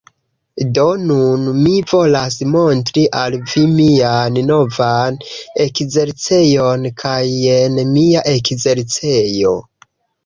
Do, nun mi volas montri al vi mian novan ekzercejon kaj jen mia ekzercejo...